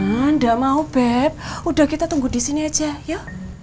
nggak mau beb udah kita tunggu di sini aja ya